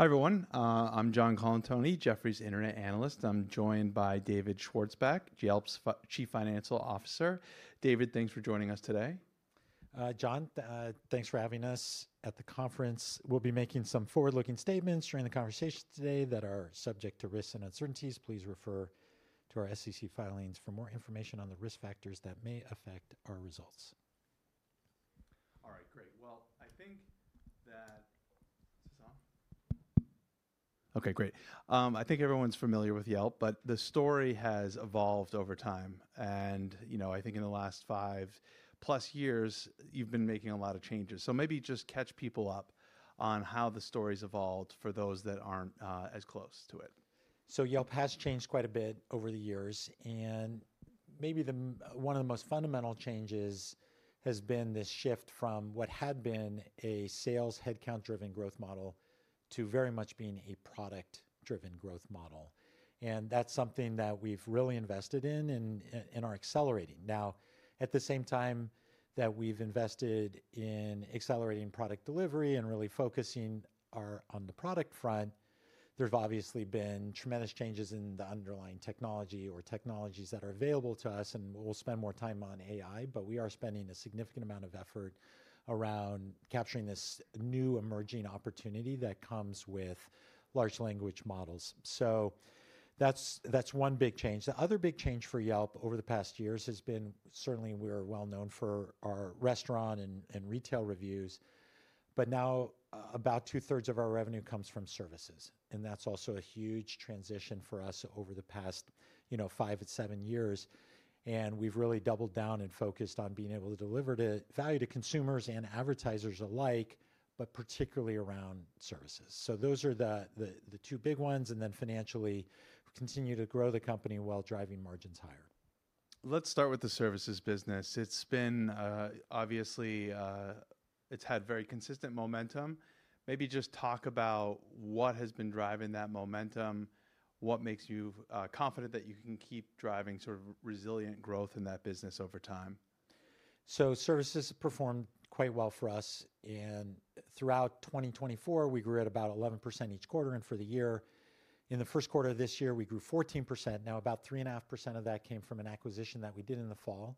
Hi everyone. I'm John Colantuoni, Jefferies Internet Analyst. I'm joined by David Schwarzbach, Yelp's Chief Financial Officer. David, thanks for joining us today. John, thanks for having us at the conference. We'll be making some forward-looking statements during the conversation today that are subject to risks and uncertainties. Please refer to our SEC filings for more information on the risk factors that may affect our results. All right, great. I think that... Okay, great. I think everyone's familiar with Yelp, but the story has evolved over time. I think in the last five-plus years, you've been making a lot of changes. Maybe just catch people up on how the story's evolved for those that aren't as close to it. Yelp has changed quite a bit over the years. Maybe one of the most fundamental changes has been this shift from what had been a sales headcount-driven growth model to very much being a product-driven growth model. That is something that we've really invested in and are accelerating. At the same time that we've invested in accelerating product delivery and really focusing on the product front, there's obviously been tremendous changes in the underlying technology or technologies that are available to us. We'll spend more time on AI, but we are spending a significant amount of effort around capturing this new emerging opportunity that comes with large language models. That is one big change. The other big change for Yelp over the past years has been, certainly we're well known for our restaurant and retail reviews, but now about two-thirds of our revenue comes from services. That is also a huge transition for us over the past five to seven years. We have really doubled down and focused on being able to deliver value to consumers and advertisers alike, but particularly around services. Those are the two big ones. Financially, we continue to grow the company while driving margins higher. Let's start with the services business. It's been, obviously, it's had very consistent momentum. Maybe just talk about what has been driving that momentum, what makes you confident that you can keep driving sort of resilient growth in that business over time. Services performed quite well for us. Throughout 2024, we grew at about 11% each quarter. For the year, in the first quarter of this year, we grew 14%. About 3.5% of that came from an acquisition that we did in the fall,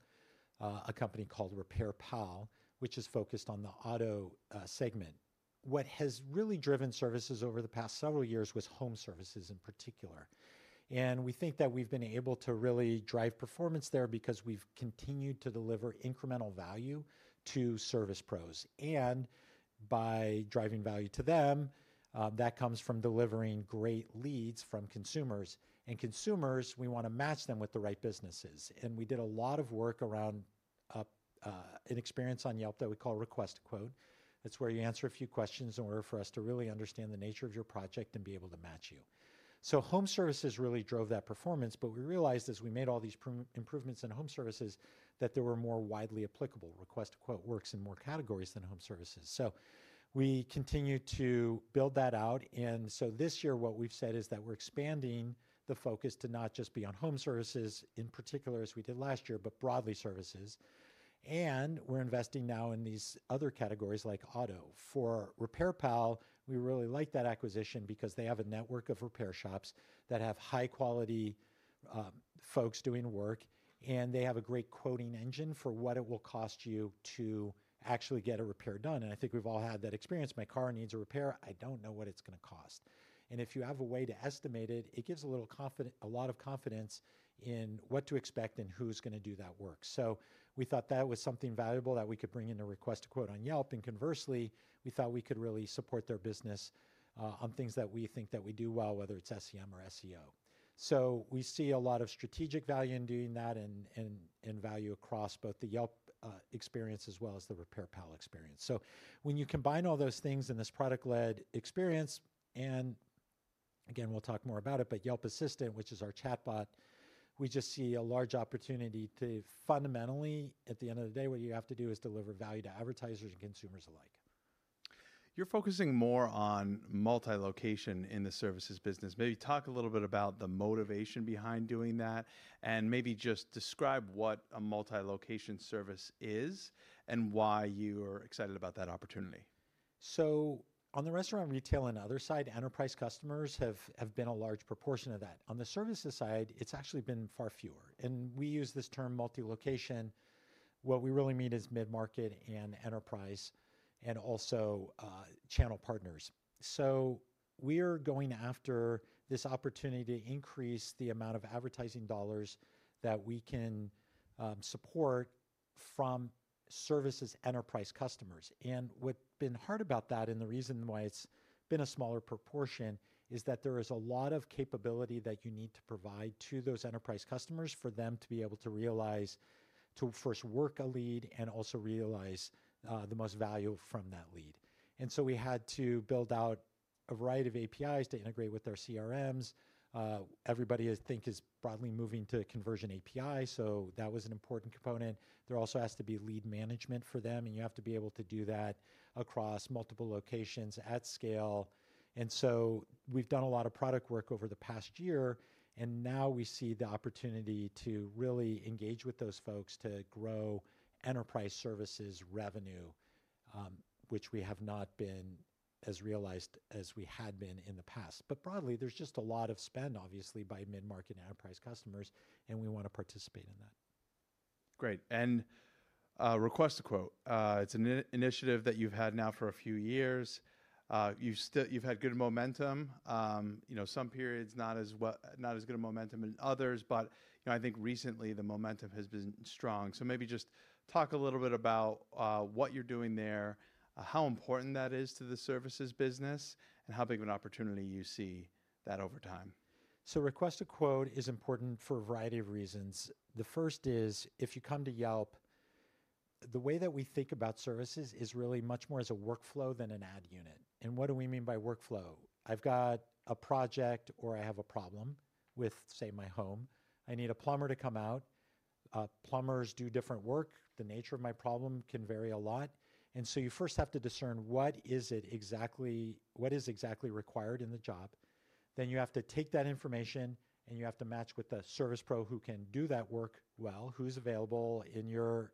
a company called RepairPal, which is focused on the auto segment. What has really driven services over the past several years was home services in particular. We think that we have been able to really drive performance there because we have continued to deliver incremental value to service pros. By driving value to them, that comes from delivering great leads from consumers. Consumers, we want to match them with the right businesses. We did a lot of work around an experience on Yelp that we call Request a Quote. That's where you answer a few questions in order for us to really understand the nature of your project and be able to match you. Home services really drove that performance. We realized as we made all these improvements in home services that there were more widely applicable Request a Quote works in more categories than home services. We continue to build that out. This year, what we've said is that we're expanding the focus to not just be on home services in particular, as we did last year, but broadly services. We're investing now in these other categories like auto. For RepairPal, we really like that acquisition because they have a network of repair shops that have high-quality folks doing work. They have a great quoting engine for what it will cost you to actually get a repair done. I think we've all had that experience. My car needs a repair. I don't know what it's going to cost. If you have a way to estimate it, it gives a lot of confidence in what to expect and who's going to do that work. We thought that was something valuable that we could bring in a Request a Quote on Yelp. Conversely, we thought we could really support their business on things that we think that we do well, whether it's SEM or SEO. We see a lot of strategic value in doing that and value across both the Yelp experience as well as the RepairPal experience. When you combine all those things in this product-led experience, and again, we'll talk more about it, but Yelp Assistant, which is our chatbot, we just see a large opportunity to fundamentally, at the end of the day, what you have to do is deliver value to advertisers and consumers alike. You're focusing more on multi-location in the services business. Maybe talk a little bit about the motivation behind doing that and maybe just describe what a multi-location service is and why you are excited about that opportunity. On the restaurant, retail, and other side, enterprise customers have been a large proportion of that. On the services side, it's actually been far fewer. We use this term multi-location. What we really mean is mid-market and enterprise and also channel partners. We are going after this opportunity to increase the amount of advertising dollars that we can support from services enterprise customers. What's been hard about that and the reason why it's been a smaller proportion is that there is a lot of capability that you need to provide to those enterprise customers for them to be able to realize, to first work a lead and also realize the most value from that lead. We had to build out a variety of APIs to integrate with our CRMs. Everybody, I think, is broadly moving to conversion API. That was an important component. There also has to be lead management for them. You have to be able to do that across multiple locations at scale. We have done a lot of product work over the past year. Now we see the opportunity to really engage with those folks to grow enterprise services revenue, which we have not been as realized as we had been in the past. Broadly, there is just a lot of spend, obviously, by mid-market enterprise customers. We want to participate in that. Great. Request to Quote, it's an initiative that you've had now for a few years. You've had good momentum. Some periods, not as good a momentum in others. I think recently, the momentum has been strong. Maybe just talk a little bit about what you're doing there, how important that is to the services business, and how big of an opportunity you see that over time. Request to Quote is important for a variety of reasons. The first is, if you come to Yelp, the way that we think about services is really much more as a workflow than an ad unit. And what do we mean by workflow? I've got a project or I have a problem with, say, my home. I need a plumber to come out. Plumbers do different work. The nature of my problem can vary a lot. You first have to discern what is exactly required in the job. Then you have to take that information and you have to match with a service pro who can do that work well, who's available in your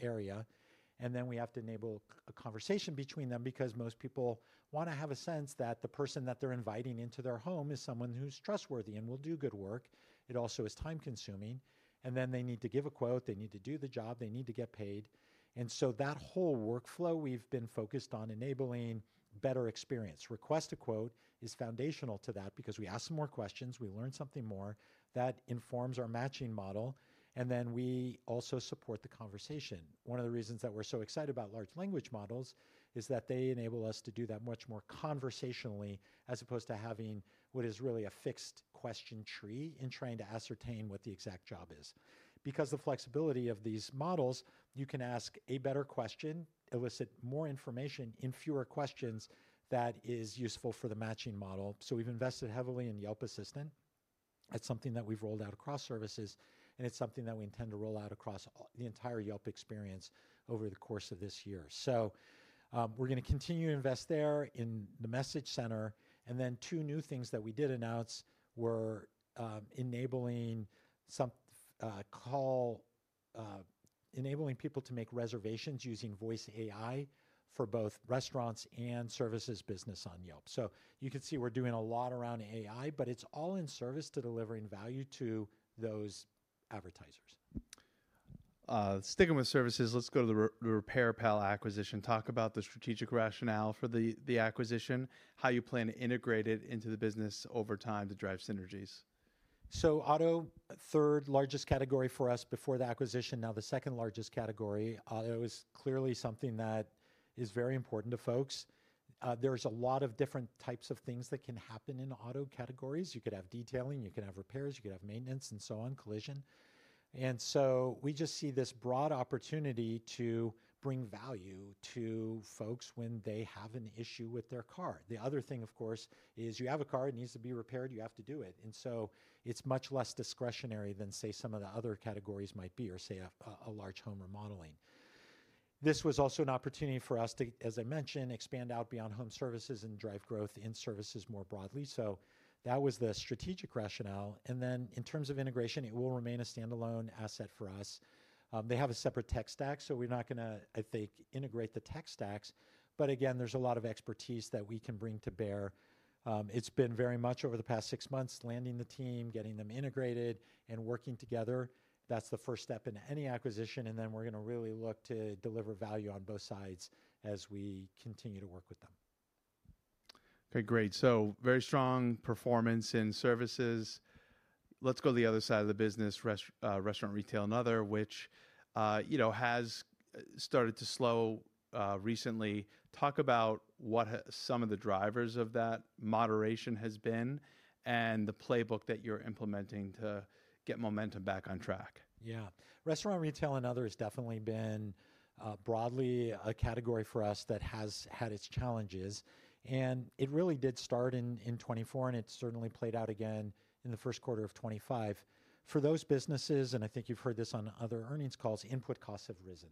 area. We have to enable a conversation between them because most people want to have a sense that the person that they're inviting into their home is someone who's trustworthy and will do good work. It also is time-consuming. They need to give a quote. They need to do the job. They need to get paid. That whole workflow, we've been focused on enabling better experience. Request a Quote is foundational to that because we ask some more questions. We learn something more that informs our matching model. We also support the conversation. One of the reasons that we're so excited about large language models is that they enable us to do that much more conversationally as opposed to having what is really a fixed question tree in trying to ascertain what the exact job is. Because the flexibility of these models, you can ask a better question, elicit more information in fewer questions that is useful for the matching model. We've invested heavily in Yelp Assistant. That's something that we've rolled out across services. It's something that we intend to roll out across the entire Yelp experience over the course of this year. We're going to continue to invest there in the message center. Two new things that we did announce were enabling people to make reservations using voice AI for both restaurants and services business on Yelp. You can see we're doing a lot around AI, but it's all in service to delivering value to those advertisers. Sticking with services, let's go to the RepairPal acquisition. Talk about the strategic rationale for the acquisition, how you plan to integrate it into the business over time to drive synergies. Auto, third largest category for us before the acquisition. Now, the second largest category, auto is clearly something that is very important to folks. There's a lot of different types of things that can happen in auto categories. You could have detailing. You could have repairs. You could have maintenance and so on, collision. We just see this broad opportunity to bring value to folks when they have an issue with their car. The other thing, of course, is you have a car. It needs to be repaired. You have to do it. It's much less discretionary than, say, some of the other categories might be or, say, a large home remodeling. This was also an opportunity for us to, as I mentioned, expand out beyond home services and drive growth in services more broadly. That was the strategic rationale. In terms of integration, it will remain a standalone asset for us. They have a separate tech stack. We're not going to, I think, integrate the tech stacks. Again, there's a lot of expertise that we can bring to bear. It's been very much over the past six months, landing the team, getting them integrated, and working together. That's the first step in any acquisition. We're going to really look to deliver value on both sides as we continue to work with them. Okay, great. So very strong performance in services. Let's go to the other side of the business, restaurant, retail, and other, which has started to slow recently. Talk about what some of the drivers of that moderation has been and the playbook that you're implementing to get momentum back on track. Yeah. Restaurant, retail, and other has definitely been broadly a category for us that has had its challenges. It really did start in 2024. It certainly played out again in the first quarter of 2025. For those businesses, and I think you've heard this on other earnings calls, input costs have risen.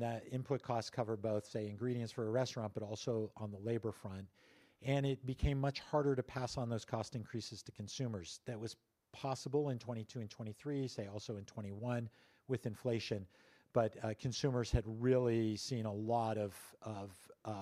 That input costs cover both, say, ingredients for a restaurant, but also on the labor front. It became much harder to pass on those cost increases to consumers. That was possible in 2022 and 2023, say, also in 2021 with inflation. Consumers had really seen a lot of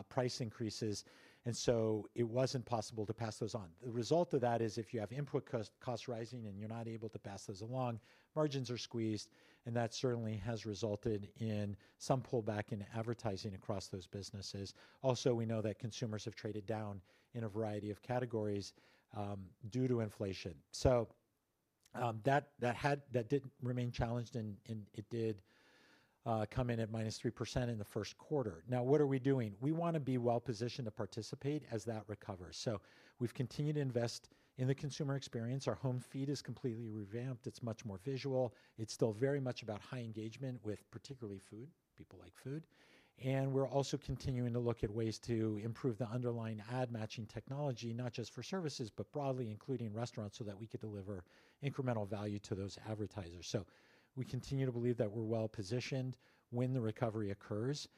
price increases. It wasn't possible to pass those on. The result of that is if you have input costs rising and you're not able to pass those along, margins are squeezed. That certainly has resulted in some pullback in advertising across those businesses. Also, we know that consumers have traded down in a variety of categories due to inflation. That did remain challenged. It did come in at -3% in the first quarter. What are we doing? We want to be well-positioned to participate as that recovers. We have continued to invest in the consumer experience. Our home feed is completely revamped. It is much more visual. It is still very much about high engagement with particularly food. People like food. We are also continuing to look at ways to improve the underlying ad matching technology, not just for services, but broadly, including restaurants, so that we could deliver incremental value to those advertisers. We continue to believe that we are well-positioned when the recovery occurs.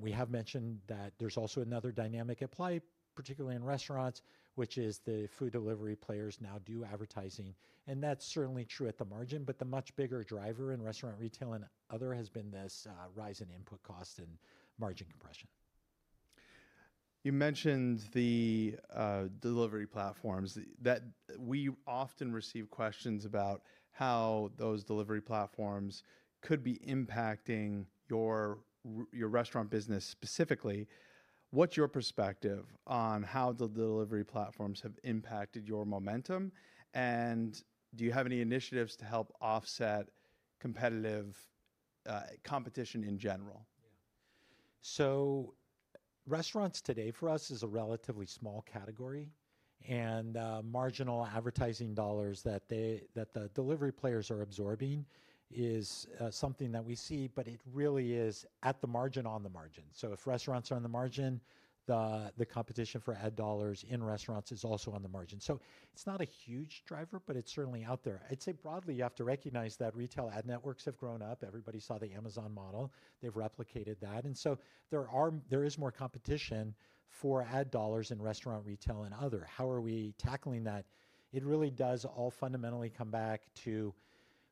We have mentioned that there's also another dynamic at play, particularly in restaurants, which is the food delivery players now do advertising. That's certainly true at the margin. The much bigger driver in restaurant, retail, and other has been this rise in input cost and margin compression. You mentioned the delivery platforms. We often receive questions about how those delivery platforms could be impacting your restaurant business specifically. What is your perspective on how the delivery platforms have impacted your momentum? Do you have any initiatives to help offset competition in general? Yeah. Restaurants today for us is a relatively small category. Marginal advertising dollars that the delivery players are absorbing is something that we see. It really is at the margin, on the margin. If restaurants are on the margin, the competition for ad dollars in restaurants is also on the margin. It's not a huge driver, but it's certainly out there. I'd say broadly, you have to recognize that retail ad networks have grown up. Everybody saw the Amazon model. They've replicated that. There is more competition for ad dollars in restaurant, retail, and other. How are we tackling that? It really does all fundamentally come back to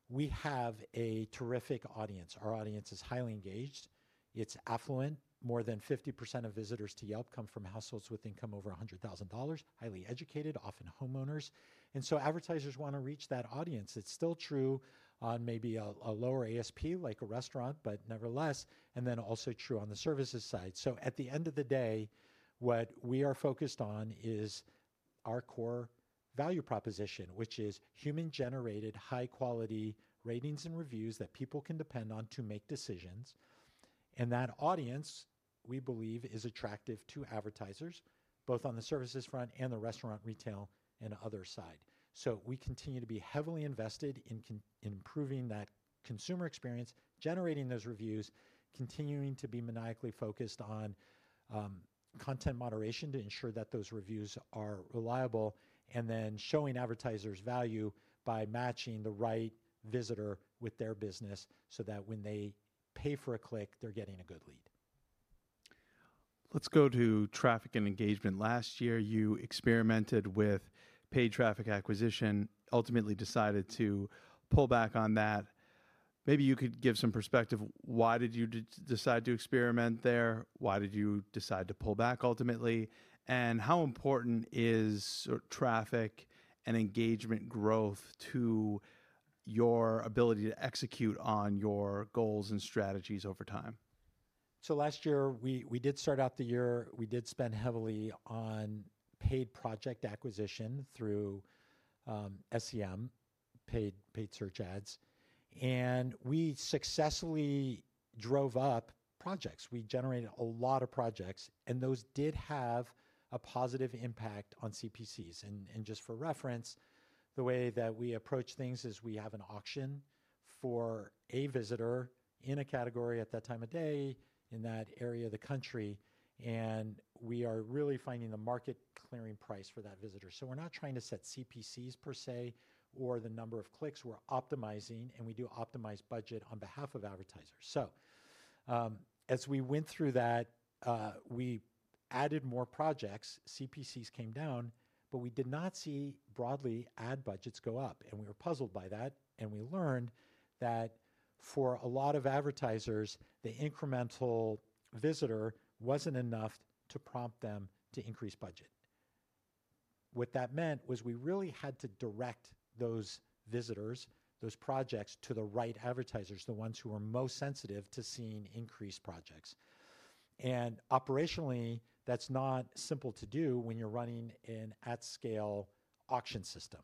we have a terrific audience. Our audience is highly engaged. It's affluent. More than 50% of visitors to Yelp come from households with income over $100,000, highly educated, often homeowners. Advertisers want to reach that audience. It's still true on maybe a lower ASP like a restaurant, but nevertheless. It is also true on the services side. At the end of the day, what we are focused on is our core value proposition, which is human-generated, high-quality ratings and reviews that people can depend on to make decisions. That audience, we believe, is attractive to advertisers, both on the services front and the restaurant, retail, and other side. We continue to be heavily invested in improving that consumer experience, generating those reviews, continuing to be maniacally focused on content moderation to ensure that those reviews are reliable, and then showing advertisers value by matching the right visitor with their business so that when they pay for a click, they're getting a good lead. Let's go to traffic and engagement. Last year, you experimented with paid traffic acquisition, ultimately decided to pull back on that. Maybe you could give some perspective. Why did you decide to experiment there? Why did you decide to pull back ultimately? How important is traffic and engagement growth to your ability to execute on your goals and strategies over time? Last year, we did start out the year. We did spend heavily on paid project acquisition through SEM, paid search ads. We successfully drove up projects. We generated a lot of projects. Those did have a positive impact on CPCs. Just for reference, the way that we approach things is we have an auction for a visitor in a category at that time of day in that area of the country. We are really finding the market-clearing price for that visitor. We are not trying to set CPCs per se or the number of clicks. We are optimizing. We do optimize budget on behalf of advertisers. As we went through that, we added more projects. CPCs came down. We did not see broadly ad budgets go up. We were puzzled by that. We learned that for a lot of advertisers, the incremental visitor was not enough to prompt them to increase budget. What that meant was we really had to direct those visitors, those projects to the right advertisers, the ones who are most sensitive to seeing increased projects. Operationally, that is not simple to do when you are running an at-scale auction system.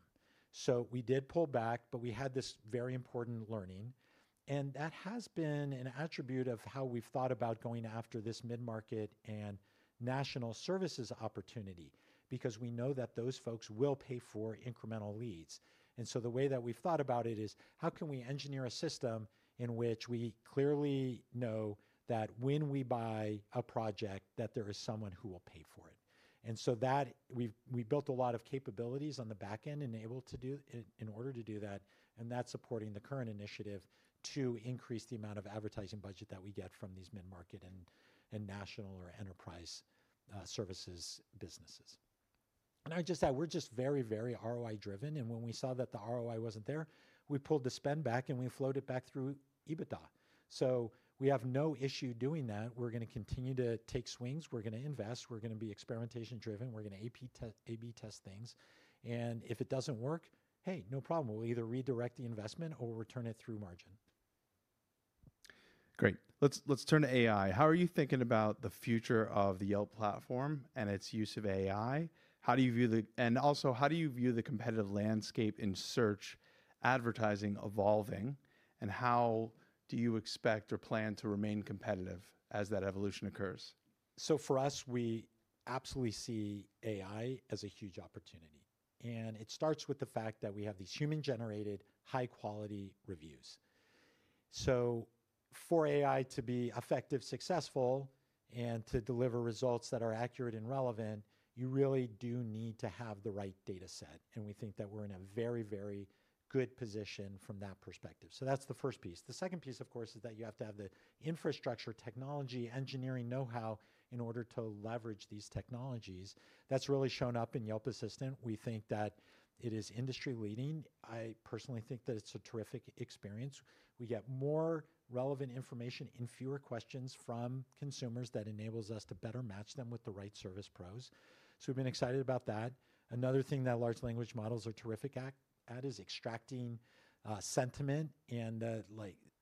We did pull back. We had this very important learning. That has been an attribute of how we have thought about going after this mid-market and national services opportunity because we know that those folks will pay for incremental leads. The way that we have thought about it is how can we engineer a system in which we clearly know that when we buy a project, there is someone who will pay for it. We built a lot of capabilities on the back end in order to do that. That is supporting the current initiative to increase the amount of advertising budget that we get from these mid-market and national or enterprise services businesses. I would just add we're just very, very ROI-driven. When we saw that the ROI was not there, we pulled the spend back and we flowed it back through EBITDA. We have no issue doing that. We're going to continue to take swings. We're going to invest. We're going to be experimentation-driven. We're going to A/B test things. If it does not work, hey, no problem. We will either redirect the investment or return it through margin. Great. Let's turn to AI. How are you thinking about the future of the Yelp platform and its use of AI? How do you view the, and also, how do you view the competitive landscape in search advertising evolving? How do you expect or plan to remain competitive as that evolution occurs? For us, we absolutely see AI as a huge opportunity. It starts with the fact that we have these human-generated, high-quality reviews. For AI to be effective, successful, and to deliver results that are accurate and relevant, you really do need to have the right data set. We think that we're in a very, very good position from that perspective. That's the first piece. The second piece, of course, is that you have to have the infrastructure, technology, engineering know-how in order to leverage these technologies. That's really shown up in Yelp Assistant. We think that it is industry-leading. I personally think that it's a terrific experience. We get more relevant information in fewer questions from consumers that enables us to better match them with the right service pros. We've been excited about that. Another thing that large language models are terrific at is extracting sentiment and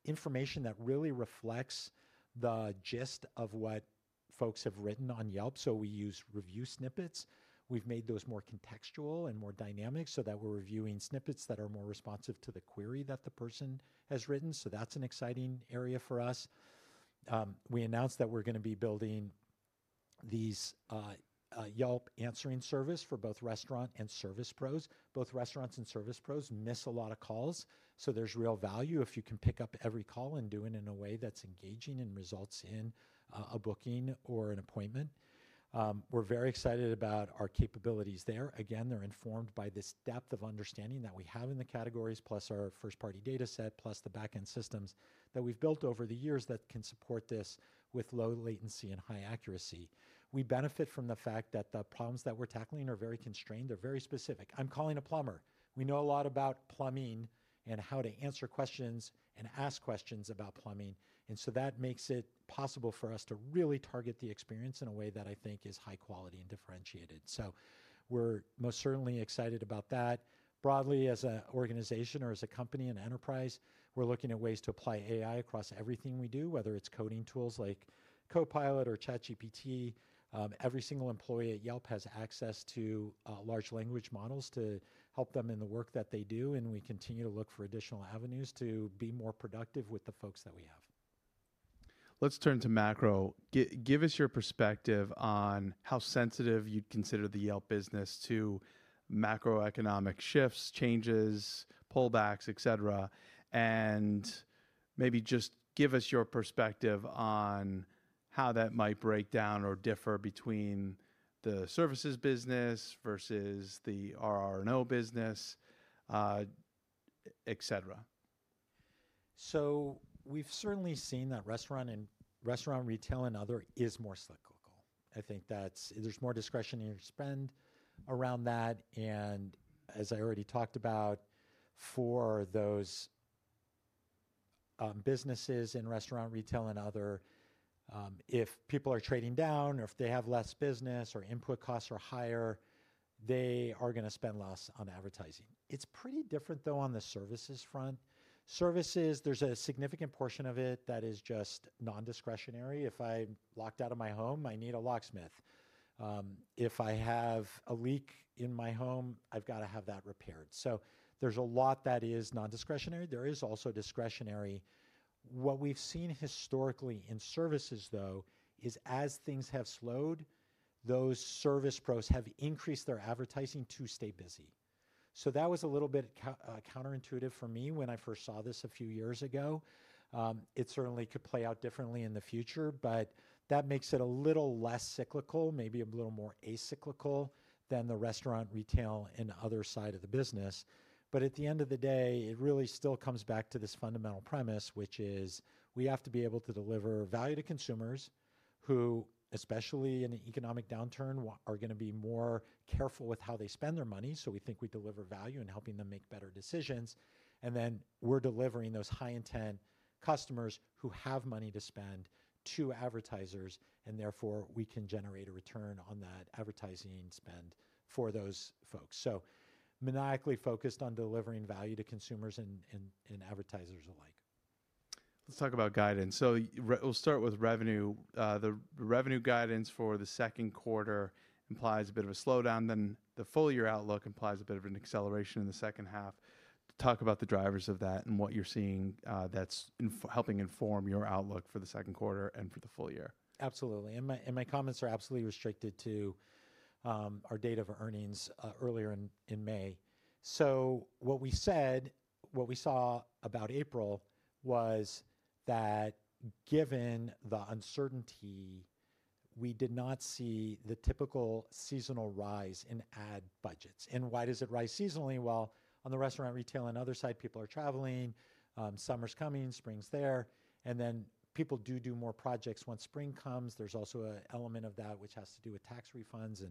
information that really reflects the gist of what folks have written on Yelp. We use review snippets. We've made those more contextual and more dynamic so that we're reviewing snippets that are more responsive to the query that the person has written. That's an exciting area for us. We announced that we're going to be building these Yelp answering service for both restaurant and service pros. Both restaurants and service pros miss a lot of calls. There's real value if you can pick up every call and do it in a way that's engaging and results in a booking or an appointment. We're very excited about our capabilities there. Again, they're informed by this depth of understanding that we have in the categories, plus our first-party data set, plus the back-end systems that we've built over the years that can support this with low latency and high accuracy. We benefit from the fact that the problems that we're tackling are very constrained. They're very specific. I'm calling a plumber. We know a lot about plumbing and how to answer questions and ask questions about plumbing. That makes it possible for us to really target the experience in a way that I think is high quality and differentiated. We're most certainly excited about that. Broadly, as an organization or as a company and enterprise, we're looking at ways to apply AI across everything we do, whether it's coding tools like Copilot or ChatGPT. Every single employee at Yelp has access to large language models to help them in the work that they do. We continue to look for additional avenues to be more productive with the folks that we have. Let's turn to macro. Give us your perspective on how sensitive you'd consider the Yelp business to macroeconomic shifts, changes, pullbacks, et cetera. Maybe just give us your perspective on how that might break down or differ between the services business versus the RR&O business, et cetera. We've certainly seen that restaurant, retail, and other is more cyclical. I think there's more discretionary spend around that. As I already talked about, for those businesses in restaurant, retail, and other, if people are trading down or if they have less business or input costs are higher, they are going to spend less on advertising. It's pretty different, though, on the services front. Services, there's a significant portion of it that is just non-discretionary. If I'm locked out of my home, I need a locksmith. If I have a leak in my home, I've got to have that repaired. There's a lot that is non-discretionary. There is also discretionary. What we've seen historically in services, though, is as things have slowed, those service pros have increased their advertising to stay busy. That was a little bit counterintuitive for me when I first saw this a few years ago. It certainly could play out differently in the future. That makes it a little less cyclical, maybe a little more acyclical than the restaurant, retail, and other side of the business. At the end of the day, it really still comes back to this fundamental premise, which is we have to be able to deliver value to consumers who, especially in an economic downturn, are going to be more careful with how they spend their money. We think we deliver value in helping them make better decisions. Then we're delivering those high-intent customers who have money to spend to advertisers. Therefore, we can generate a return on that advertising spend for those folks. Maniacally focused on delivering value to consumers and advertisers alike. Let's talk about guidance. We'll start with revenue. The revenue guidance for the second quarter implies a bit of a slowdown. The full-year outlook implies a bit of an acceleration in the second half. Talk about the drivers of that and what you're seeing that's helping inform your outlook for the second quarter and for the full year. Absolutely. My comments are absolutely restricted to our date of earnings earlier in May. What we said, what we saw about April was that given the uncertainty, we did not see the typical seasonal rise in ad budgets. Why does it rise seasonally? On the restaurant, retail, and other side, people are traveling. Summer's coming. Spring's there. People do do more projects once spring comes. There's also an element of that which has to do with tax refunds.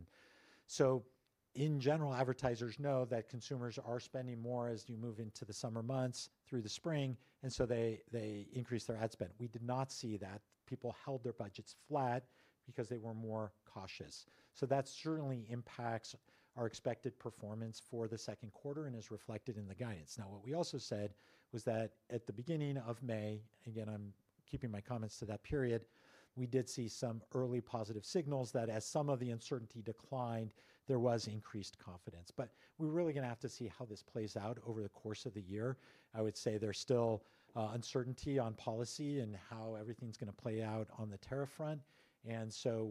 In general, advertisers know that consumers are spending more as you move into the summer months through the spring. They increase their ad spend. We did not see that. People held their budgets flat because they were more cautious. That certainly impacts our expected performance for the second quarter and is reflected in the guidance. Now, what we also said was that at the beginning of May, again, I'm keeping my comments to that period, we did see some early positive signals that as some of the uncertainty declined, there was increased confidence. We are really going to have to see how this plays out over the course of the year. I would say there's still uncertainty on policy and how everything's going to play out on the tariff front.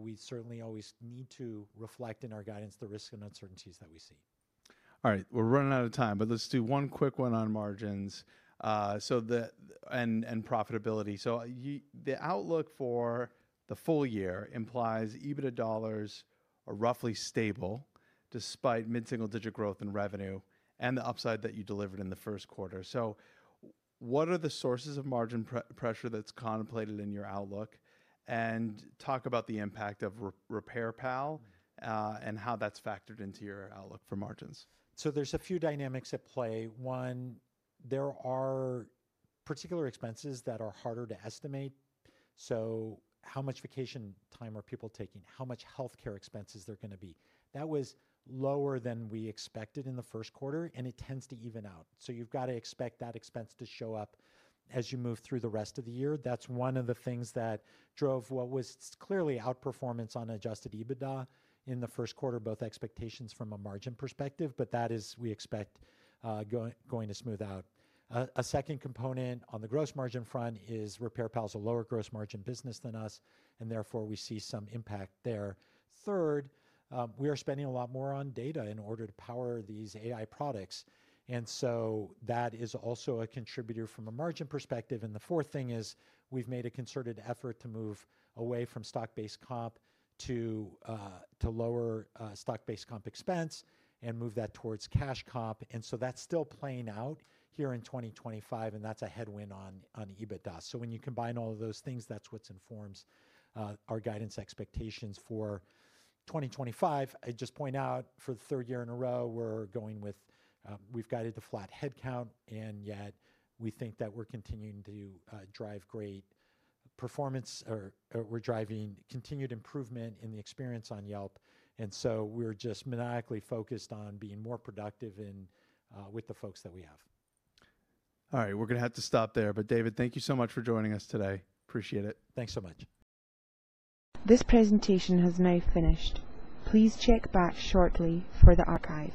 We certainly always need to reflect in our guidance the risks and uncertainties that we see. All right. We're running out of time. Let's do one quick one on margins and profitability. The outlook for the full year implies EBITDA dollars are roughly stable despite mid-single-digit growth in revenue and the upside that you delivered in the first quarter. What are the sources of margin pressure that's contemplated in your outlook? Talk about the impact of RepairPal and how that's factored into your outlook for margins. There are a few dynamics at play. One, there are particular expenses that are harder to estimate. How much vacation time are people taking? How much healthcare expenses are there going to be? That was lower than we expected in the first quarter. It tends to even out. You have to expect that expense to show up as you move through the rest of the year. That is one of the things that drove what was clearly outperformance on adjusted EBITDA in the first quarter, both expectations from a margin perspective. That is, we expect, going to smooth out. A second component on the gross margin front is RepairPal is a lower gross margin business than us, and therefore, we see some impact there. Third, we are spending a lot more on data in order to power these AI products. That is also a contributor from a margin perspective. The fourth thing is we've made a concerted effort to move away from stock-based comp to lower stock-based comp expense and move that towards cash comp. That's still playing out here in 2025. That's a headwind on EBITDA. When you combine all of those things, that's what informs our guidance expectations for 2025. I just point out for the third year in a row, we've guided to flat headcount. Yet we think that we're continuing to drive great performance or we're driving continued improvement in the experience on Yelp. We're just maniacally focused on being more productive with the folks that we have. All right. We're going to have to stop there. David, thank you so much for joining us today. Appreciate it. Thanks so much. This presentation has now finished. Please check back shortly for the archive.